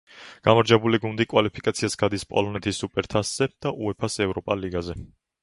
გამარჯვებული გუნდი კვალიფიკაციას გადის პოლონეთის სუპერთასზე და უეფა-ს ევროპა ლიგაზე.